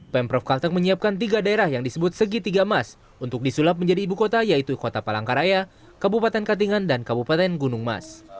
pemprov kalteng menyiapkan tiga daerah yang disebut segitiga emas untuk disulap menjadi ibu kota yaitu kota palangkaraya kabupaten katingan dan kabupaten gunung mas